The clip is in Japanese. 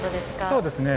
そうですね。